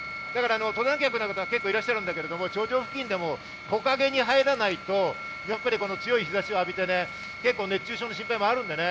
ボランティアの方が結構いらっしゃるんですけど、頂上付近でも木陰に入らないと強い日差しを浴びてね、熱中症の心配もあるんでね。